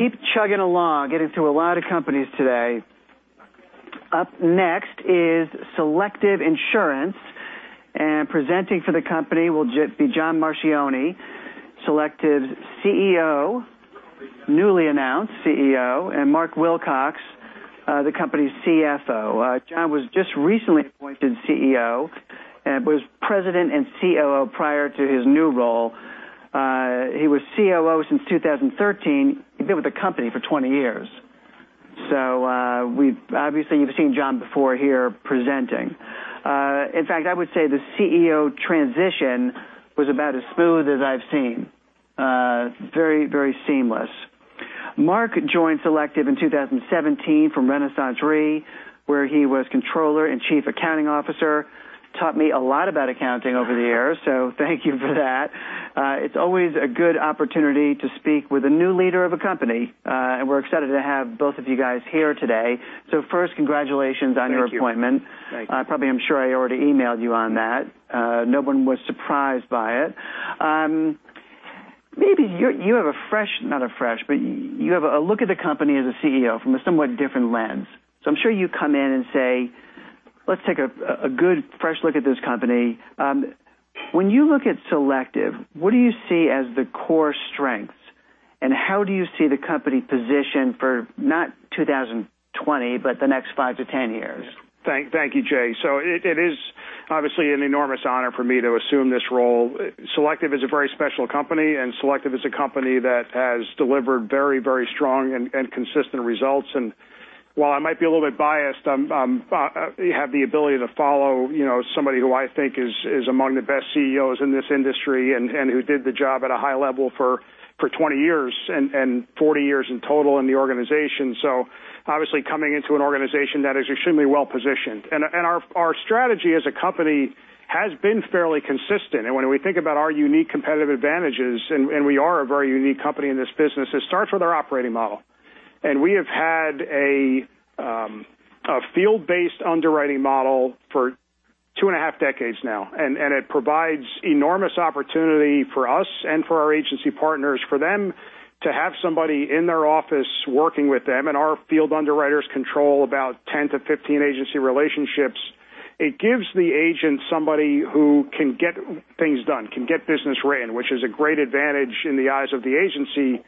We are going to keep chugging along, getting through a lot of companies today. Up next is Selective Insurance, and presenting for the company will be John Marchione, Selective's CEO, newly announced CEO, and Mark Wilcox, the company's CFO. John was just recently appointed CEO and was President and COO prior to his new role. He was COO since 2013. He's been with the company for 20 years. Obviously you've seen John before here presenting. In fact, I would say the CEO transition was about as smooth as I've seen. Very seamless. Mark joined Selective in 2017 from RenaissanceRe, where he was controller and chief accounting officer. Taught me a lot about accounting over the years, so thank you for that. It's always a good opportunity to speak with a new leader of a company, and we're excited to have both of you guys here today. First, congratulations on your appointment. Thank you. Probably, I'm sure I already emailed you on that. No one was surprised by it. Maybe you have a fresh, not a fresh, but you have a look at the company as a CEO from a somewhat different lens. I'm sure you come in and say, "Let's take a good, fresh look at this company." When you look at Selective, what do you see as the core strengths, and how do you see the company positioned for not 2020, but the next five to 10 years? Thank you, Jay. It is obviously an enormous honor for me to assume this role. Selective is a very special company. Selective is a company that has delivered very strong and consistent results. While I might be a little bit biased, I have the ability to follow somebody who I think is among the best CEOs in this industry and who did the job at a high level for 20 years and 40 years in total in the organization. Obviously coming into an organization that is extremely well-positioned. Our strategy as a company has been fairly consistent. When we think about our unique competitive advantages, we are a very unique company in this business, it starts with our operating model. We have had a field-based underwriting model for two and a half decades now. It provides enormous opportunity for us and for our agency partners, for them to have somebody in their office working with them. Our field underwriters control about 10 to 15 agency relationships. It gives the agent somebody who can get things done, can get business written, which is a great advantage in the eyes of the agency.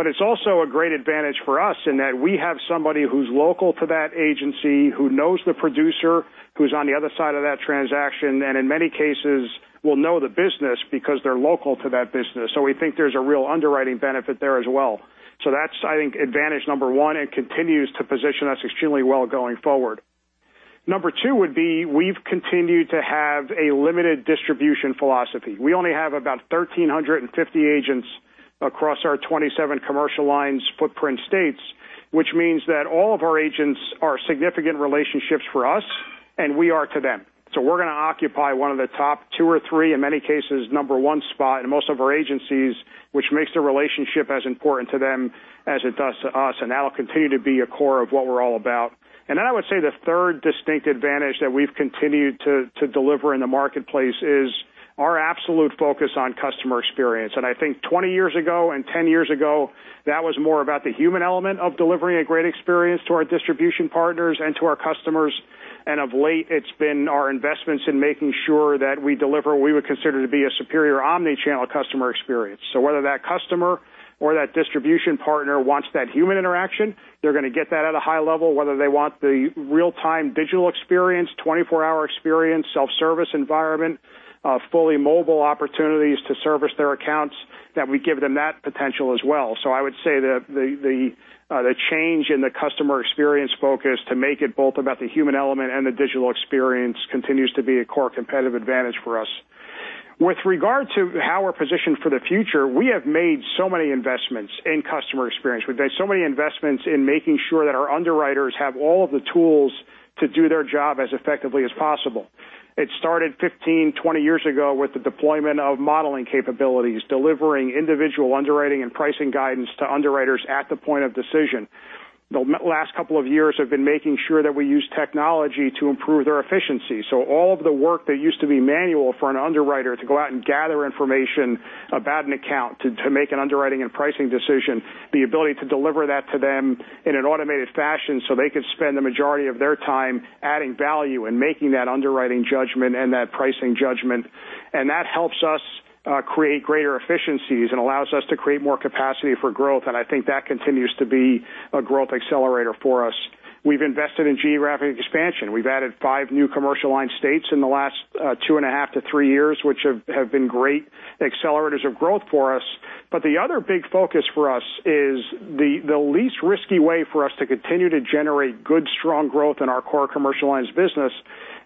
It's also a great advantage for us in that we have somebody who's local to that agency, who knows the producer, who's on the other side of that transaction, and in many cases will know the business because they're local to that business. We think there's a real underwriting benefit there as well. That's, I think, advantage number 1, and continues to position us extremely well going forward. Number 2 would be we've continued to have a limited distribution philosophy. We only have about 1,350 agents across our 27 commercial lines footprint states, which means that all of our agents are significant relationships for us, and we are to them. We're going to occupy one of the top two or three, in many cases, number 1 spot in most of our agencies, which makes the relationship as important to them as it does to us, and that'll continue to be a core of what we're all about. Then I would say the third distinct advantage that we've continued to deliver in the marketplace is our absolute focus on customer experience. I think 20 years ago and 10 years ago, that was more about the human element of delivering a great experience to our distribution partners and to our customers. Of late, it's been our investments in making sure that we deliver what we would consider to be a superior omni-channel customer experience. Whether that customer or that distribution partner wants that human interaction, they're going to get that at a high level, whether they want the real-time digital experience, 24-hour experience, self-service environment, fully mobile opportunities to service their accounts, that we give them that potential as well. I would say that the change in the customer experience focus to make it both about the human element and the digital experience continues to be a core competitive advantage for us. With regard to how we're positioned for the future, we have made so many investments in customer experience. We've made so many investments in making sure that our underwriters have all of the tools to do their job as effectively as possible. It started 15, 20 years ago with the deployment of modeling capabilities, delivering individual underwriting and pricing guidance to underwriters at the point of decision. The last couple of years have been making sure that we use technology to improve their efficiency. All of the work that used to be manual for an underwriter to go out and gather information about an account to make an underwriting and pricing decision, the ability to deliver that to them in an automated fashion so they could spend the majority of their time adding value and making that underwriting judgment and that pricing judgment. That helps us create greater efficiencies and allows us to create more capacity for growth, and I think that continues to be a growth accelerator for us. We've invested in geographic expansion. We've added five new commercial lines states in the last two and a half to three years, which have been great accelerators of growth for us. The other big focus for us is the least risky way for us to continue to generate good, strong growth in our core commercial lines business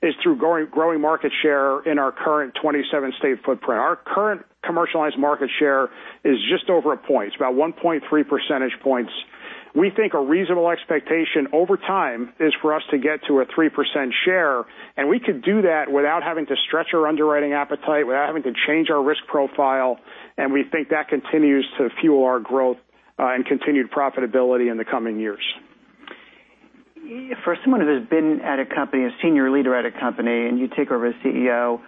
is through growing market share in our current 27-state footprint. Our current commercial lines market share is just over a point. It's about 1.3 percentage points. We think a reasonable expectation over time is for us to get to a 3% share, and we could do that without having to stretch our underwriting appetite, without having to change our risk profile, and we think that continues to fuel our growth and continued profitability in the coming years. For someone who has been at a company, a senior leader at a company, and you take over as CEO,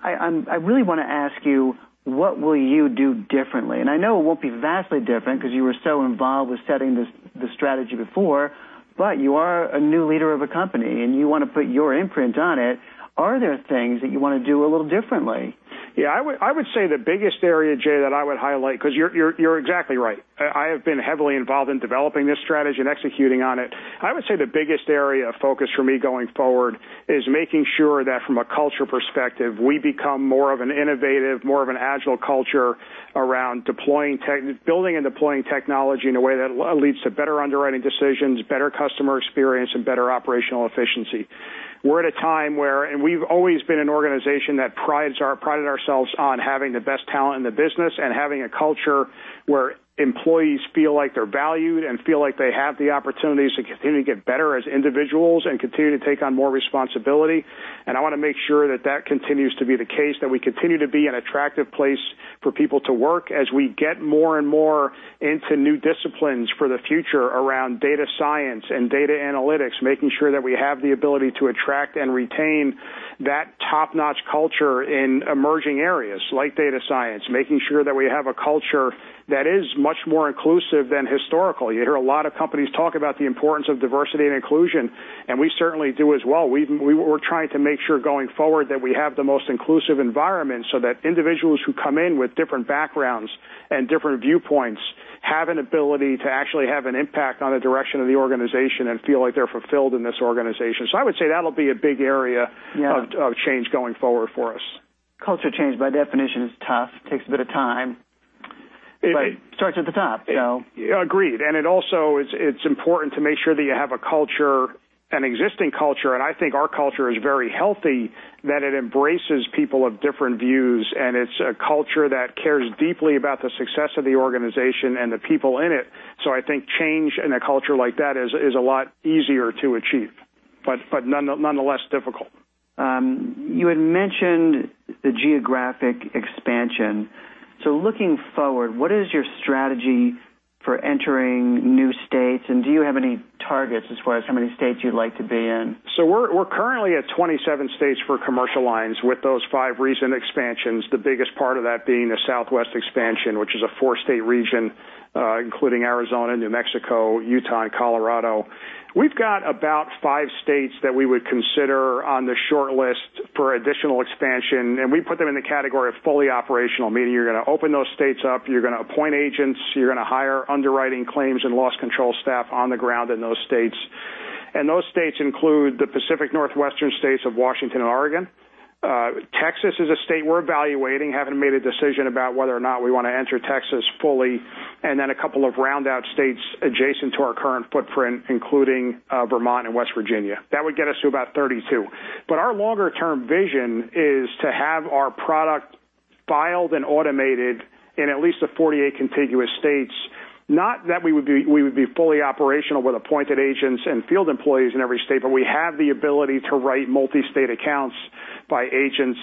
I really want to ask you, what will you do differently? I know it won't be vastly different because you were so involved with setting the strategy before, but you are a new leader of a company, and you want to put your imprint on it. Are there things that you want to do a little differently? Yeah, I would say the biggest area, Jay, that I would highlight, because you're exactly right. I have been heavily involved in developing this strategy and executing on it. I would say the biggest area of focus for me going forward is making sure that from a culture perspective, we become more of an innovative, more of an agile culture around building and deploying technology in a way that leads to better underwriting decisions, better customer experience, and better operational efficiency. We're at a time where we've always been an organization that prided ourselves on having the best talent in the business and having a culture where employees feel like they're valued and feel like they have the opportunities to continue to get better as individuals and continue to take on more responsibility. I want to make sure that continues to be the case, that we continue to be an attractive place for people to work as we get more and more into new disciplines for the future around data science and data analytics, making sure that we have the ability to attract and retain that top-notch culture in emerging areas like data science. Making sure that we have a culture that is much more inclusive than historical. You hear a lot of companies talk about the importance of diversity and inclusion. We certainly do as well. We're trying to make sure going forward that we have the most inclusive environment, so that individuals who come in with different backgrounds and different viewpoints have an ability to actually have an impact on the direction of the organization and feel like they're fulfilled in this organization. I would say that'll be a big area. Yeah of change going forward for us. Culture change, by definition, is tough. Takes a bit of time. It- Starts at the top. Agreed. It also it's important to make sure that you have an existing culture, and I think our culture is very healthy, that it embraces people of different views, and it's a culture that cares deeply about the success of the organization and the people in it. I think change in a culture like that is a lot easier to achieve, but nonetheless difficult. You had mentioned the geographic expansion. Looking forward, what is your strategy for entering new states, and do you have any targets as far as how many states you'd like to be in? We're currently at 27 states for commercial lines with those five recent expansions, the biggest part of that being the Southwest expansion, which is a four-state region, including Arizona, New Mexico, Utah, and Colorado. We've got about five states that we would consider on the shortlist for additional expansion, and we put them in the category of fully operational, meaning you're going to open those states up, you're going to appoint agents, you're going to hire underwriting claims and loss control staff on the ground in those states. Those states include the Pacific Northwestern states of Washington and Oregon. Texas is a state we're evaluating, haven't made a decision about whether or not we want to enter Texas fully, and then a couple of round-out states adjacent to our current footprint, including Vermont and West Virginia. That would get us to about 32. Our longer-term vision is to have our product filed and automated in at least the 48 contiguous states. Not that we would be fully operational with appointed agents and field employees in every state, but we have the ability to write multi-state accounts by agents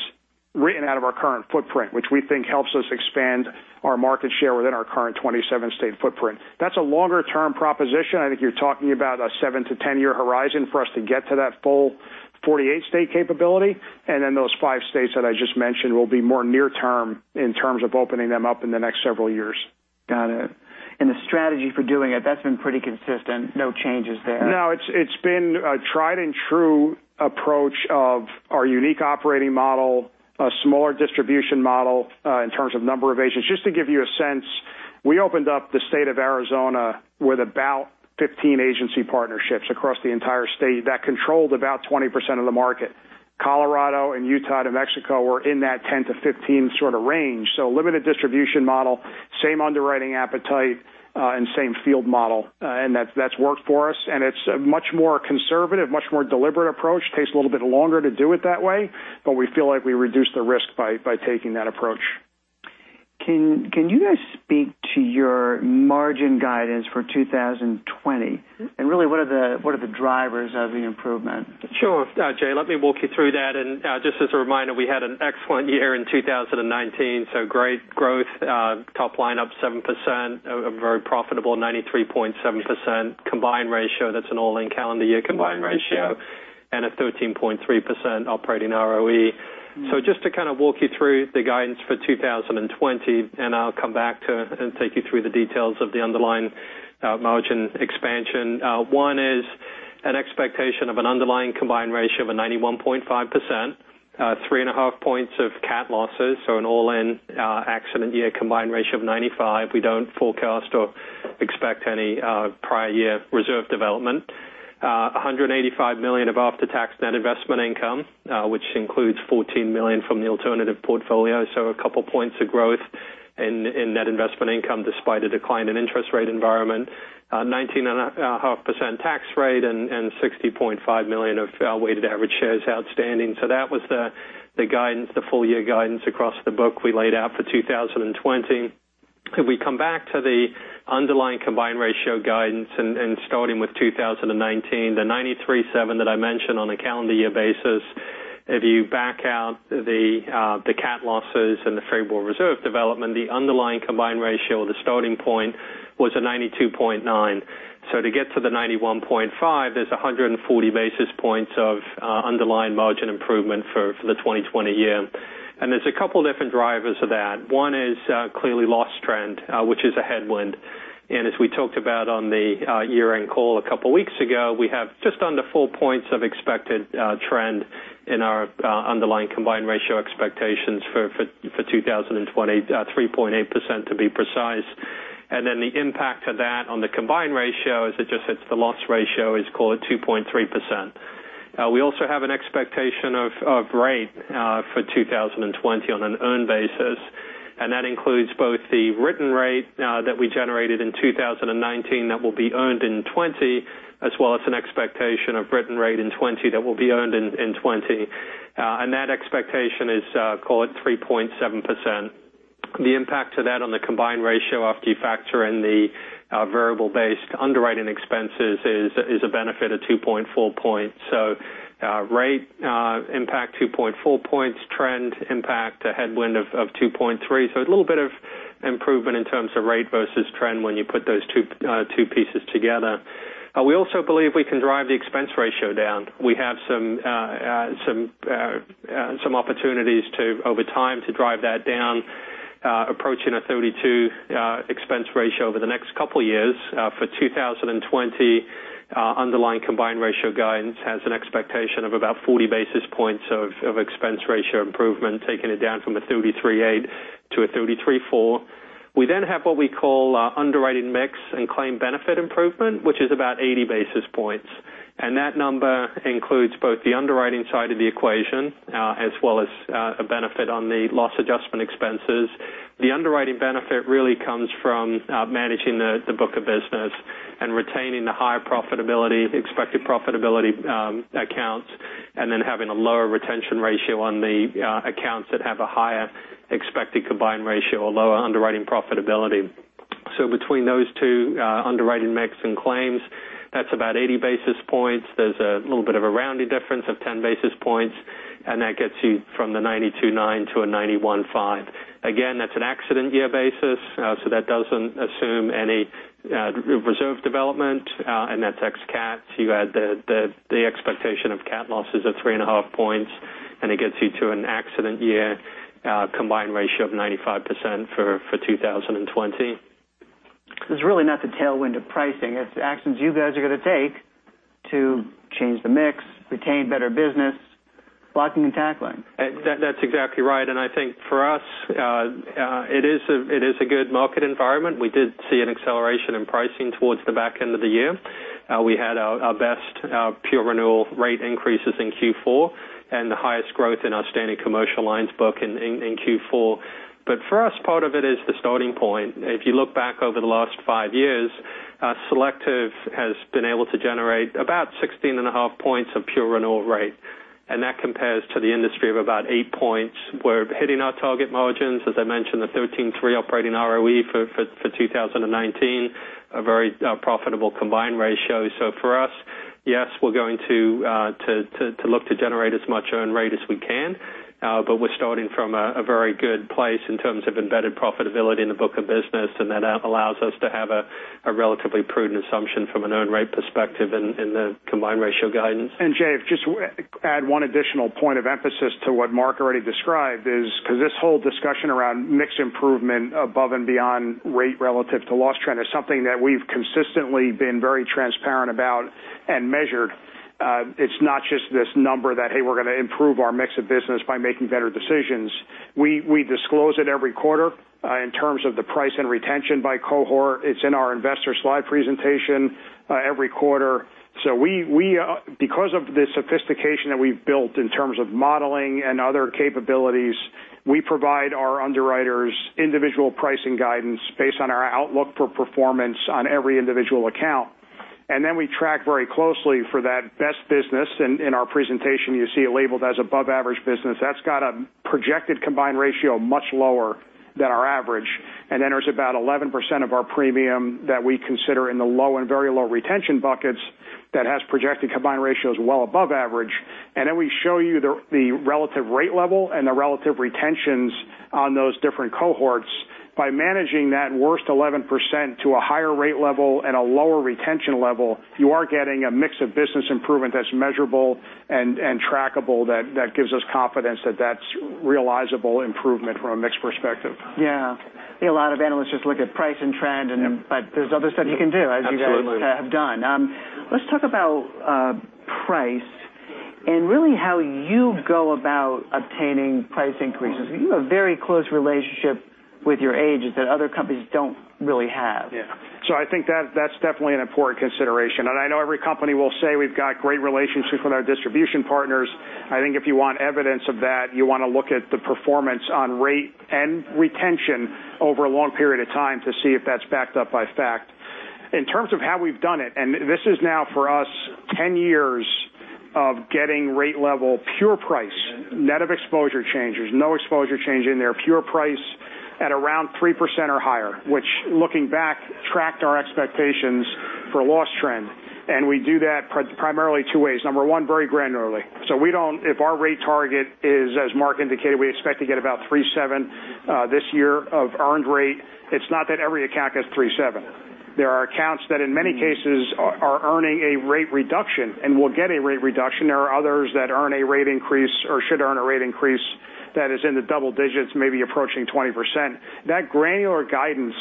written out of our current footprint, which we think helps us expand our market share within our current 27-state footprint. That's a longer-term proposition. I think you're talking about a seven- to 10-year horizon for us to get to that full 48-state capability, and then those five states that I just mentioned will be more near-term in terms of opening them up in the next several years. Got it. The strategy for doing it, that's been pretty consistent. No changes there. No, it's been a tried and true approach of our unique operating model, a smaller distribution model, in terms of number of agents. Just to give you a sense, we opened up the state of Arizona with about 15 agency partnerships across the entire state that controlled about 20% of the market. Colorado and Utah, New Mexico were in that 10-15 sort of range. Limited distribution model, same underwriting appetite, and same field model. That's worked for us, and it's a much more conservative, much more deliberate approach. Takes a little bit longer to do it that way, but we feel like we reduce the risk by taking that approach. Can you guys speak to your margin guidance for 2020? Really, what are the drivers of the improvement? Sure, Jay, let me walk you through that. Just as a reminder, we had an excellent year in 2019, great growth, top line up 7%, a very profitable 93.7% combined ratio. That's an all-in calendar year combined ratio. Combined ratio. A 13.3% operating ROE. Just to kind of walk you through the guidance for 2020, I'll come back to and take you through the details of the underlying margin expansion. One is an expectation of an underlying combined ratio of a 91.5%, three and a half points of cat losses, an all-in accident year combined ratio of 95. We don't forecast or expect any prior year reserve development. $185 million of after-tax net investment income, which includes $14 million from the alternative portfolio, a couple points of growth in net investment income despite a decline in interest rate environment. 19.5% tax rate and 60.5 million of weighted average shares outstanding. That was the full year guidance across the book we laid out for 2020. If we come back to the underlying combined ratio guidance and starting with 2019, the 93.7 that I mentioned on a calendar year basis. If you back out the cat losses and the favorable reserve development, the underlying combined ratio, the starting point was a 92.9. To get to the 91.5, there's 140 basis points of underlying margin improvement for the 2020 year. There's a couple of different drivers of that. One is clearly loss trend, which is a headwind. As we talked about on the year-end call a couple of weeks ago, we have just under four points of expected trend in our underlying combined ratio expectations for 2020, 3.8% to be precise. The impact of that on the combined ratio is it just hits the loss ratio is call it 2.3%. We also have an expectation of rate for 2020 on an earned basis, that includes both the written rate that we generated in 2019 that will be earned in 2020, as well as an expectation of written rate in 2020 that will be earned in 2020. That expectation is, call it 3.7%. The impact of that on the combined ratio after you factor in the variable-based underwriting expenses is a benefit of 2.4 points. Rate impact 2.4 points, trend impact, a headwind of 2.3. It's a little bit of improvement in terms of rate versus trend when you put those two pieces together. We also believe we can drive the expense ratio down. We have some opportunities over time to drive that down, approaching a 32 expense ratio over the next couple of years. For 2020, underlying combined ratio guidance has an expectation of about 40 basis points of expense ratio improvement, taking it down from a 33.8 to a 33.4. We have what we call our underwriting mix and claim benefit improvement, which is about 80 basis points. That number includes both the underwriting side of the equation as well as a benefit on the loss adjustment expenses. The underwriting benefit really comes from managing the book of business and retaining the higher profitability, the expected profitability accounts, and then having a lower retention ratio on the accounts that have a higher expected combined ratio or lower underwriting profitability. Between those two, underwriting mix and claims, that's about 80 basis points. There's a little bit of a rounding difference of 10 basis points, that gets you from the 92.9 to a 91.5. Again, that's an accident year basis, that doesn't assume any reserve development, and that's ex cat. You add the expectation of cat losses of three and a half points, it gets you to an accident year combined ratio of 95% for 2020. It's really not the tailwind of pricing, it's the actions you guys are going to take to change the mix, retain better business, blocking and tackling. That's exactly right. I think for us, it is a good market environment. We did see an acceleration in pricing towards the back end of the year. We had our best pure renewal rate increases in Q4 and the highest growth in our standing commercial lines book in Q4. For us, part of it is the starting point. If you look back over the last five years, Selective has been able to generate about 16.5 points of pure renewal rate, and that compares to the industry of about eight points. We're hitting our target margins. As I mentioned, the 13.3 operating ROE for 2019, a very profitable combined ratio. For us, yes, we're going to look to generate as much earned rate as we can, but we're starting from a very good place in terms of embedded profitability in the book of business, and that allows us to have a relatively prudent assumption from an earned rate perspective in the combined ratio guidance. Jay, if I can just add one additional point of emphasis to what Mark already described is because this whole discussion around mix improvement above and beyond rate relative to loss trend is something that we've consistently been very transparent about and measured. It's not just this number that, hey, we're going to improve our mix of business by making better decisions. We disclose it every quarter in terms of the price and retention by cohort. It's in our investor slide presentation every quarter. Because of the sophistication that we've built in terms of modeling and other capabilities, we provide our underwriters individual pricing guidance based on our outlook for performance on every individual account. Then we track very closely for that best business. In our presentation, you see it labeled as above-average business. That's got a projected combined ratio much lower than our average, then there's about 11% of our premium that we consider in the low and very low retention buckets that has projected combined ratios well above average. We show you the relative rate level and the relative retentions on those different cohorts. By managing that worst 11% to a higher rate level and a lower retention level, you are getting a mix of business improvement that's measurable and trackable that gives us confidence that that's realizable improvement from a mix perspective. Yeah. A lot of analysts just look at price and trend, there's other stuff you can do- Absolutely as you guys have done. Let's talk about price and really how you go about obtaining price increases. You have a very close relationship with your agents that other companies don't really have. Yeah. I think that's definitely an important consideration. I know every company will say we've got great relationships with our distribution partners. I think if you want evidence of that, you want to look at the performance on rate and retention over a long period of time to see if that's backed up by fact. In terms of how we've done it, this is now for us 10 years of getting rate level pure price, net of exposure changes, no exposure change in there, pure price at around 3% or higher, which looking back, tracked our expectations for loss trend, we do that primarily two ways. Number one, very granularly. If our rate target is, as Mark indicated, we expect to get about 3.7 this year of earned rate, it's not that every account gets 3.7. There are accounts that in many cases are earning a rate reduction and will get a rate reduction. There are others that earn a rate increase or should earn a rate increase that is in the double digits, maybe approaching 20%. That granular guidance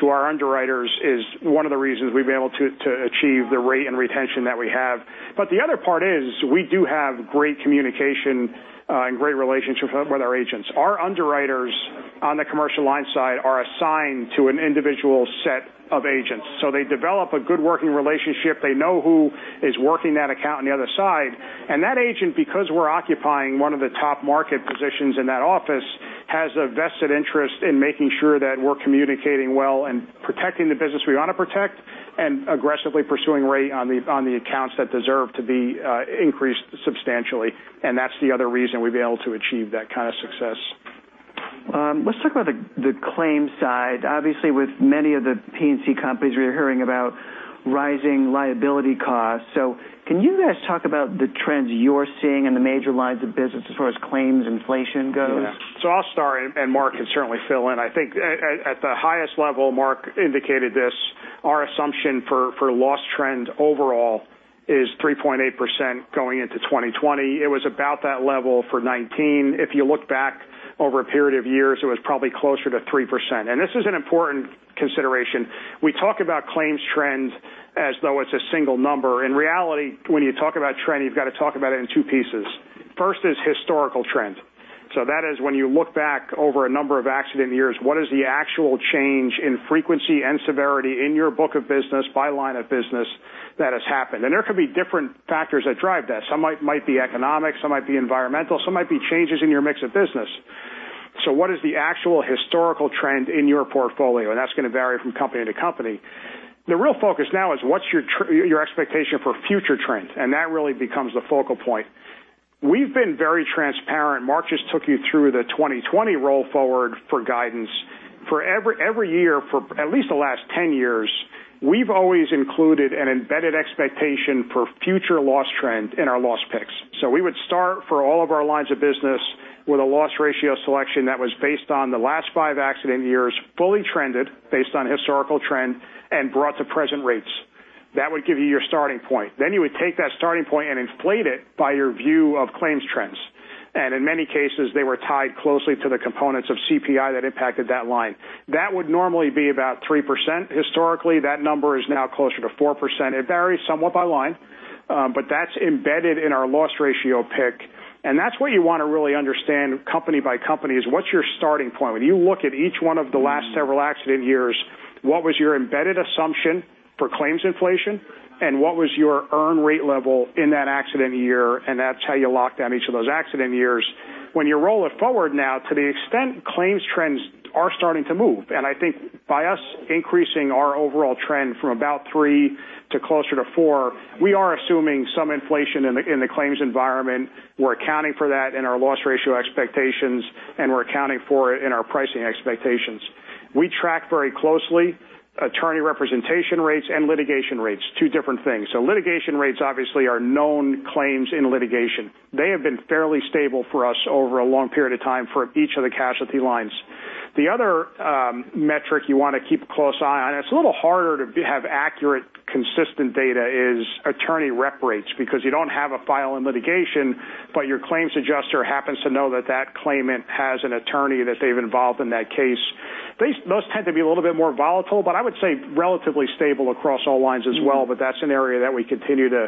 to our underwriters is one of the reasons we've been able to achieve the rate and retention that we have. The other part is we do have great communication and great relationships with our agents. Our underwriters on the commercial line side are assigned to an individual set of agents. They develop a good working relationship. They know who is working that account on the other side, and that agent, because we're occupying one of the top market positions in that office, has a vested interest in making sure that we're communicating well and protecting the business we ought to protect, and aggressively pursuing rate on the accounts that deserve to be increased substantially. That's the other reason we've been able to achieve that kind of success. Let's talk about the claims side. Obviously, with many of the P&C companies, we're hearing about rising liability costs. Can you guys talk about the trends you're seeing in the major lines of business as far as claims inflation goes? Yeah. I'll start, and Mark can certainly fill in. I think at the highest level, Mark indicated this, our assumption for loss trend overall is 3.8% going into 2020. It was about that level for 2019. If you look back over a period of years, it was probably closer to 3%. This is an important consideration. We talk about claims trend as though it's a single number. In reality, when you talk about trend, you've got to talk about it in two pieces. First is historical trend. That is when you look back over a number of accident years, what is the actual change in frequency and severity in your book of business by line of business that has happened? There could be different factors that drive that. Some might be economic, some might be environmental, some might be changes in your mix of business. What is the actual historical trend in your portfolio? That's going to vary from company to company. The real focus now is what's your expectation for future trends, and that really becomes the focal point. We've been very transparent. Mark just took you through the 2020 roll forward for guidance. For every year for at least the last 10 years, we've always included an embedded expectation for future loss trend in our loss picks. We would start for all of our lines of business with a loss ratio selection that was based on the last five accident years, fully trended based on historical trend, and brought to present rates. That would give you your starting point. You would take that starting point and inflate it by your view of claims trends. In many cases, they were tied closely to the components of CPI that impacted that line. That would normally be about 3%. Historically, that number is now closer to 4%. It varies somewhat by line, but that's embedded in our loss ratio pick, and that's what you want to really understand company by company is what's your starting point? When you look at each one of the last several accident years, what was your embedded assumption for claims inflation, and what was your earned rate level in that accident year, and that's how you lock down each of those accident years. When you roll it forward now, to the extent claims trends are starting to move, and I think by us increasing our overall trend from about three to closer to four, we are assuming some inflation in the claims environment. We're accounting for that in our loss ratio expectations, and we're accounting for it in our pricing expectations. We track very closely attorney representation rates and litigation rates, two different things. Litigation rates obviously are known claims in litigation. They have been fairly stable for us over a long period of time for each of the casualty lines. The other metric you want to keep a close eye on, it's a little harder to have accurate, consistent data is attorney rep rates, because you don't have a file in litigation, but your claims adjuster happens to know that that claimant has an attorney that they've involved in that case. Those tend to be a little bit more volatile, but I would say relatively stable across all lines as well, but that's an area that we continue to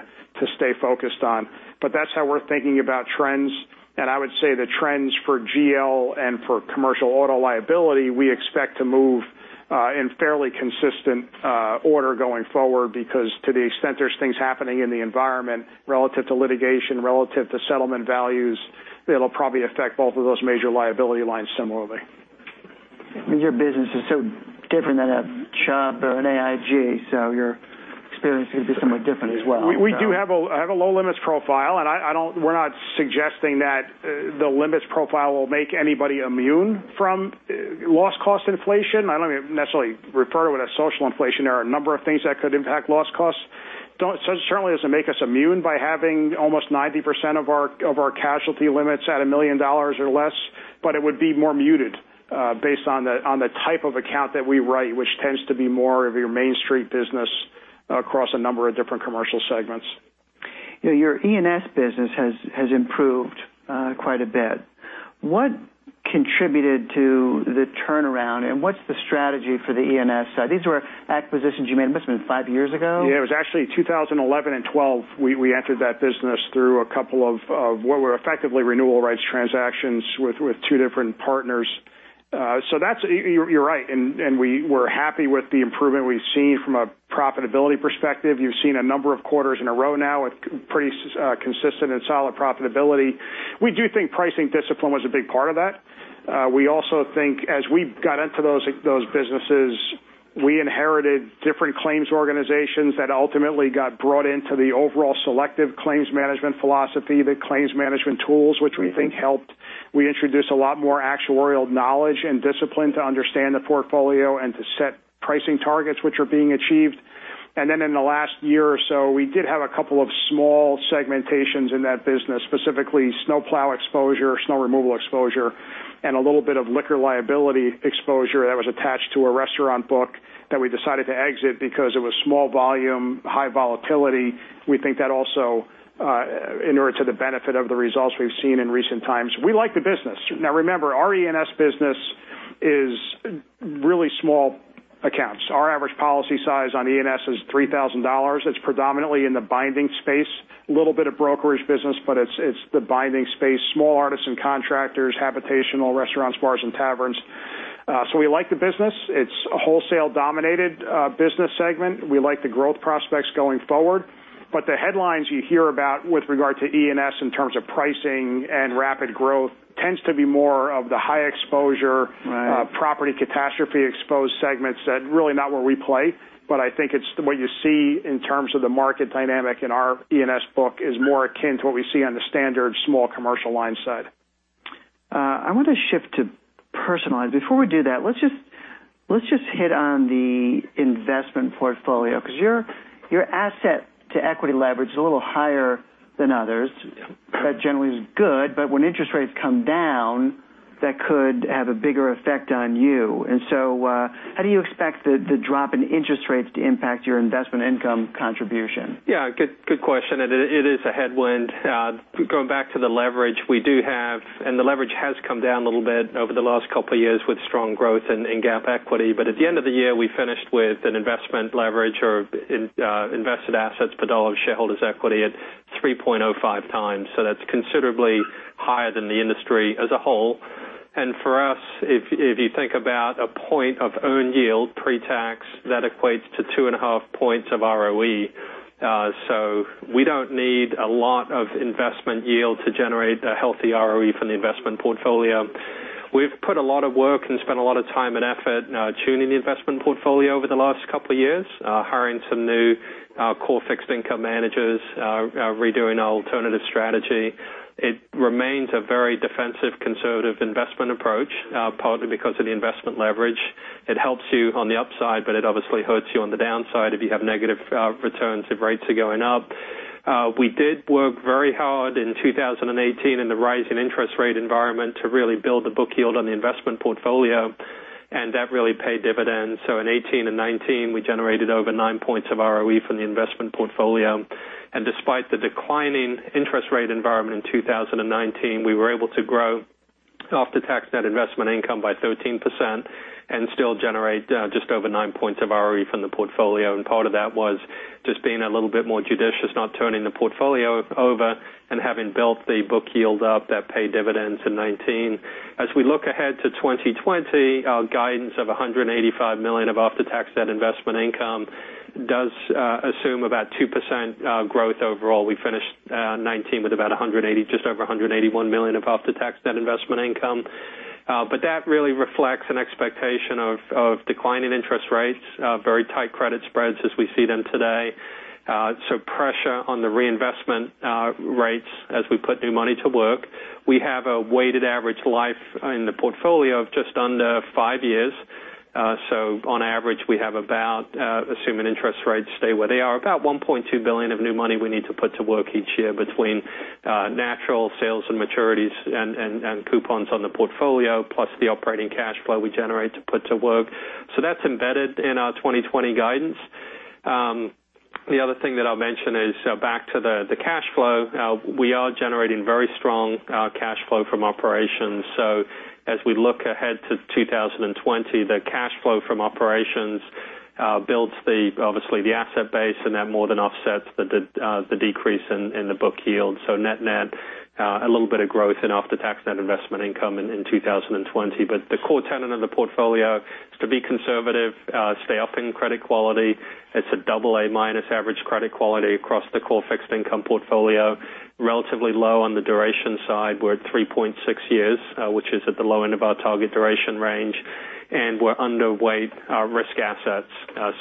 stay focused on. That's how we're thinking about trends. I would say the trends for GL and for commercial auto liability, we expect to move in fairly consistent order going forward because to the extent there's things happening in the environment relative to litigation, relative to settlement values, it'll probably affect both of those major liability lines similarly. Your business is so different than a Chubb or an AIG, your experience is somewhat different as well. We do have a low limits profile, we're not suggesting that the limits profile will make anybody immune from loss cost inflation. I don't even necessarily refer to it as social inflation. There are a number of things that could impact loss costs. Certainly doesn't make us immune by having almost 90% of our casualty limits at $1 million or less, it would be more muted based on the type of account that we write, which tends to be more of your main street business across a number of different commercial segments. Your E&S business has improved quite a bit. What contributed to the turnaround, what's the strategy for the E&S side? These were acquisitions you made, it must've been five years ago? Yeah, it was actually 2011 and 2012, we entered that business through a couple of what were effectively renewal rights transactions with two different partners. You're right, and we're happy with the improvement we've seen from a profitability perspective. You've seen a number of quarters in a row now with pretty consistent and solid profitability. We do think pricing discipline was a big part of that. We also think as we got into those businesses we inherited different claims organizations that ultimately got brought into the overall Selective claims management philosophy, the claims management tools, which we think helped. We introduced a lot more actuarial knowledge and discipline to understand the portfolio and to set pricing targets, which are being achieved. In the last year or so, we did have a couple of small segmentations in that business, specifically snow plow exposure, snow removal exposure, and a little bit of liquor liability exposure that was attached to a restaurant book that we decided to exit because it was small volume, high volatility. We think that also inured to the benefit of the results we've seen in recent times. We like the business. Remember, our E&S business is really small accounts. Our average policy size on E&S is $3,000. It's predominantly in the binding space, a little bit of brokerage business, but it's the binding space, small artisan contractors, habitational restaurants, bars, and taverns. We like the business. It's a wholesale-dominated business segment. We like the growth prospects going forward. The headlines you hear about with regard to E&S in terms of pricing and rapid growth tends to be more of the high exposure- Right property catastrophe exposed segments that really not where we play. I think it's what you see in terms of the market dynamic in our E&S book is more akin to what we see on the standard small commercial line side. I want to shift to personal lines. Before we do that, let's just hit on the investment portfolio, because your asset to equity leverage is a little higher than others. Yeah. That generally is good, but when interest rates come down, that could have a bigger effect on you. How do you expect the drop in interest rates to impact your investment income contribution? Yeah, good question. It is a headwind. Going back to the leverage, we do have, and the leverage has come down a little bit over the last couple of years with strong growth in GAAP equity. At the end of the year, we finished with an investment leverage or invested assets per dollar of shareholders' equity at 3.05 times. That's considerably higher than the industry as a whole. For us, if you think about a point of earned yield pre-tax, that equates to two and a half points of ROE. We don't need a lot of investment yield to generate a healthy ROE from the investment portfolio. We've put a lot of work and spent a lot of time and effort tuning the investment portfolio over the last couple of years, hiring some new core fixed income managers, redoing our alternative strategy. It remains a very defensive, conservative investment approach, partly because of the investment leverage. It helps you on the upside, but it obviously hurts you on the downside if you have negative returns, if rates are going up. We did work very hard in 2018 in the rise in interest rate environment to really build the book yield on the investment portfolio, that really paid dividends. In 2018 and 2019, we generated over nine points of ROE from the investment portfolio. Despite the declining interest rate environment in 2019, we were able to grow after-tax net investment income by 13% and still generate just over nine points of ROE from the portfolio. Part of that was just being a little bit more judicious, not turning the portfolio over and having built the book yield up that paid dividends in 2019. As we look ahead to 2020, our guidance of $185 million of after-tax net investment income does assume about 2% growth overall. We finished 2019 with about $180 million, just over $181 million of after-tax net investment income. That really reflects an expectation of declining interest rates, very tight credit spreads as we see them today. Pressure on the reinvestment rates as we put new money to work. We have a weighted average life in the portfolio of just under five years. On average, we have about, assuming interest rates stay where they are, about $1.2 billion of new money we need to put to work each year between natural sales and maturities and coupons on the portfolio, plus the operating cash flow we generate to put to work. That's embedded in our 2020 guidance. The other thing that I'll mention is back to the cash flow. We are generating very strong cash flow from operations. As we look ahead to 2020, the cash flow from operations builds obviously the asset base, and that more than offsets the decrease in the book yield. Net net, a little bit of growth in after-tax net investment income in 2020. The core tenet of the portfolio is to be conservative, stay up in credit quality. It's a AA-minus average credit quality across the core fixed income portfolio, relatively low on the duration side. We're at 3.6 years, which is at the low end of our target duration range, and we're underweight our risk assets.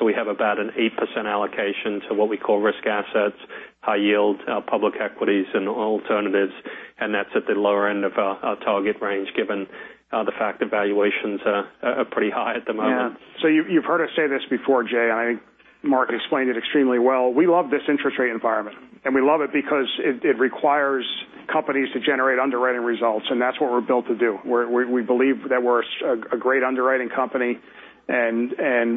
We have about an 8% allocation to what we call risk assets, high yield public equities and alternatives, and that's at the lower end of our target range, given the fact that valuations are pretty high at the moment. You've heard us say this before, Jay, I think Mark explained it extremely well. We love this interest rate environment, we love it because it requires companies to generate underwriting results, that's what we're built to do. We believe that we're a great underwriting company,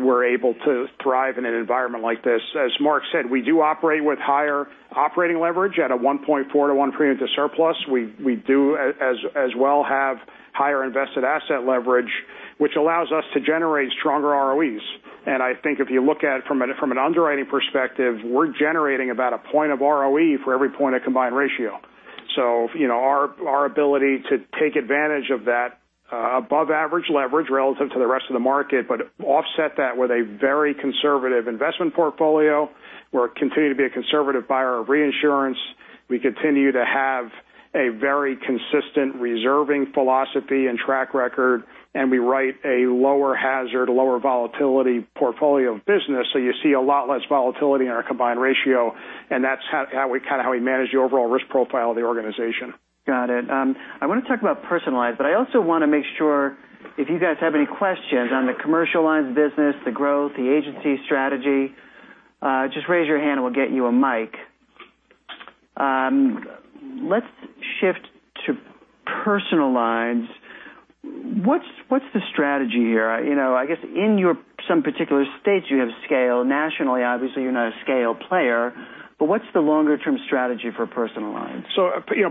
we're able to thrive in an environment like this. As Mark said, we do operate with higher operating leverage at a 1.4 to one premium-to-surplus. We do as well have higher invested asset leverage, which allows us to generate stronger ROEs. I think if you look at it from an underwriting perspective, we're generating about a point of ROE for every point of combined ratio. Our ability to take advantage of that above average leverage relative to the rest of the market, offset that with a very conservative investment portfolio, where we continue to be a conservative buyer of reinsurance. We continue to have a very consistent reserving philosophy and track record, we write a lower hazard, lower volatility portfolio of business, you see a lot less volatility in our combined ratio, that's how we manage the overall risk profile of the organization. Got it. I want to talk about personal lines, I also want to make sure if you guys have any questions on the commercial lines business, the growth, the agency strategy, just raise your hand we'll get you a mic. Let's shift to personal lines. What's the strategy here? I guess in some particular states, you have scale nationally. Obviously, you're not a scale player. What's the longer-term strategy for personal lines?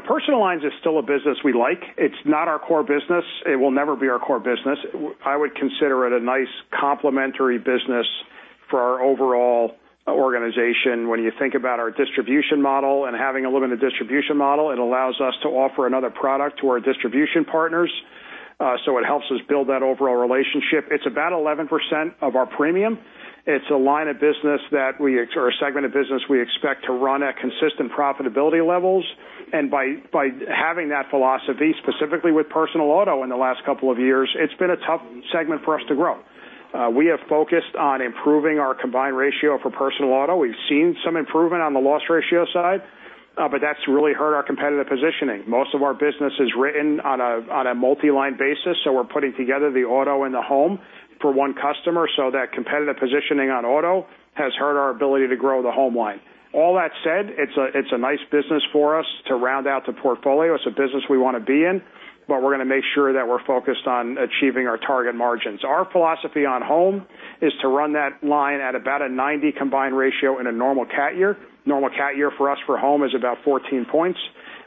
Personal lines is still a business we like. It's not our core business. It will never be our core business. I would consider it a nice complementary business for our overall organization. When you think about our distribution model and having a limited distribution model, it allows us to offer another product to our distribution partners. It helps us build that overall relationship. It's about 11% of our premium. It's a segment of business we expect to run at consistent profitability levels. By having that philosophy, specifically with personal auto in the last couple of years, it's been a tough segment for us to grow. We have focused on improving our combined ratio for personal auto. We've seen some improvement on the loss ratio side, but that's really hurt our competitive positioning. Most of our business is written on a multi-line basis. We're putting together the auto and the home for one customer. That competitive positioning on auto has hurt our ability to grow the home line. All that said, it's a nice business for us to round out the portfolio. It's a business we want to be in, but we're going to make sure that we're focused on achieving our target margins. Our philosophy on home is to run that line at about a 90 combined ratio in a normal CAT year. Normal CAT year for us for home is about 14 points.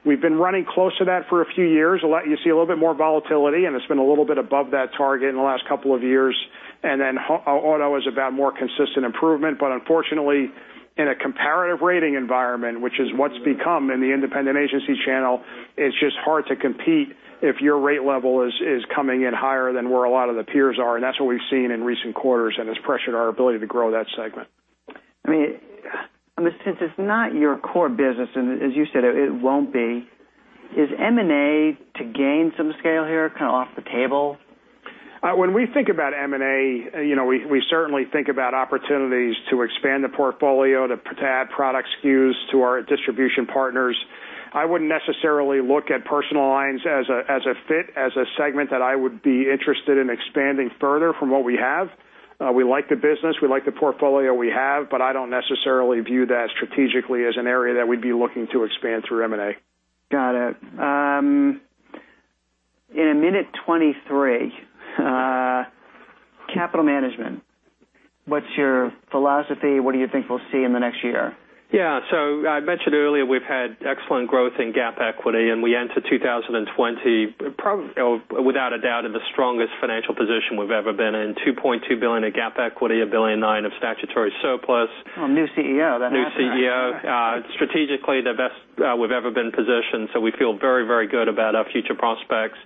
We've been running close to that for a few years. You see a little bit more volatility, and it's been a little bit above that target in the last couple of years. Auto is about more consistent improvement. Unfortunately, in a comparative rating environment, which is what's become in the independent agency channel, it's just hard to compete if your rate level is coming in higher than where a lot of the peers are. That's what we've seen in recent quarters. It's pressured our ability to grow that segment. Since it's not your core business, as you said, it won't be, is M&A to gain some scale here off the table? When we think about M&A, we certainly think about opportunities to expand the portfolio, to add product SKUs to our distribution partners. I wouldn't necessarily look at personal lines as a fit, as a segment that I would be interested in expanding further from what we have. We like the business. We like the portfolio we have, I don't necessarily view that strategically as an area that we'd be looking to expand through M&A. Got it. In a minute twenty-three, capital management. What's your philosophy? What do you think we'll see in the next year? Yeah. I mentioned earlier we've had excellent growth in GAAP equity, we enter 2020, without a doubt, in the strongest financial position we've ever been in, $2.2 billion of GAAP equity, $1.9 billion of statutory surplus. New CEO. That happens. New CEO. Strategically, the best we've ever been positioned. We feel very, very good about our future prospects.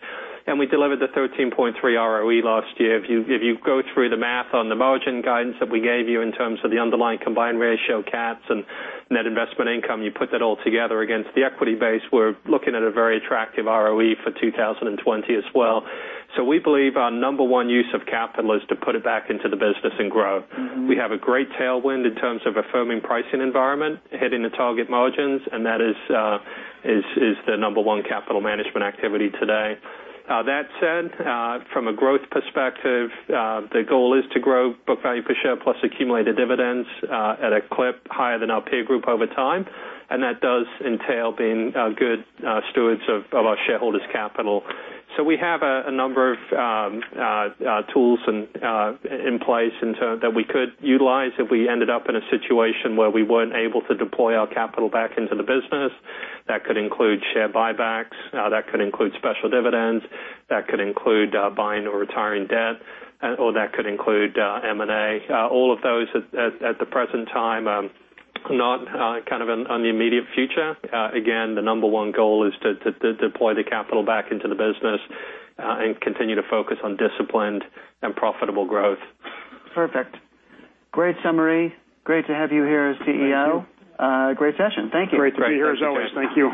We delivered the 13.3 ROE last year. If you go through the math on the margin guidance that we gave you in terms of the underlying combined ratio CATs and net investment income, you put that all together against the equity base, we're looking at a very attractive ROE for 2020 as well. We believe our number one use of capital is to put it back into the business and grow. We have a great tailwind in terms of a firming pricing environment, hitting the target margins, and that is the number one capital management activity today. That said, from a growth perspective, the goal is to grow book value per share plus accumulated dividends at a clip higher than our peer group over time, and that does entail being good stewards of our shareholders' capital. We have a number of tools in place that we could utilize if we ended up in a situation where we weren't able to deploy our capital back into the business. That could include share buybacks, that could include special dividends, that could include buying or retiring debt, or that could include M&A. All of those at the present time, not in the immediate future. Again, the number one goal is to deploy the capital back into the business and continue to focus on disciplined and profitable growth. Perfect. Great summary. Great to have you here as CEO. Thank you. Great session. Thank you. Great to be here as always. Thank you.